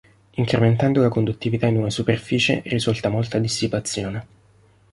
Incrementando la conduttività in una superficie risulta molta dissipazione.